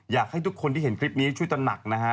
อยากให้ทุกคนที่เห็นคลิปนี้ช่วยตระหนักนะฮะ